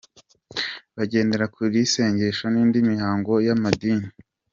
Bagendera kure isengesho n’indi mihango y’amadini.